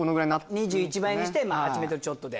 ２１倍にして８ｍちょっとで。